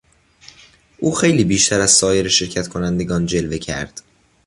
او خیلی بیشتر از سایر شرکت کنندگان جلوه کرد.